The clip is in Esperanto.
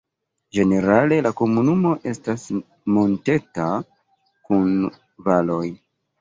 Ĝenerale la komunumo estas monteta kun valoj.